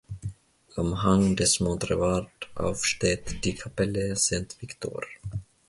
Am Hang des Mont Revard auf steht die Kapelle Saint-Victor.